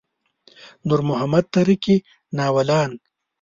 نور محمد تره کي ناولان.